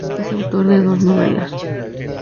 Es autor de dos novelas.